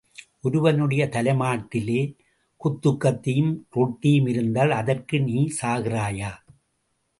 ஒருவனுடைய தலைமாட்டிலே குத்துக்கத்தியும் ரொட்டியும் இருந்தால், அதற்கு நீ சாகிறாயா?